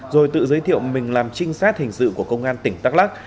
rồi tự giới thiệu mình làm trinh sát hình sự của công an tỉnh đắk lắc